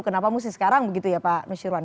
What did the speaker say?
kenapa mesti sekarang begitu ya pak nusirwan